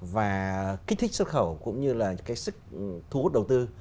và kích thích xuất khẩu cũng như là cái sức thu hút đầu tư